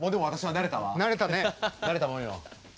慣れたもんよ。